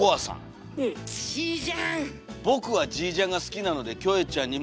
「ぼくはＧジャンが好きなのでキョエちゃんにもきてほしいです」。